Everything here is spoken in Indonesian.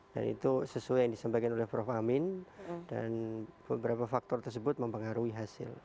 dan itu sesuai yang disampaikan oleh prof amin dan beberapa faktor tersebut mempengaruhi hasil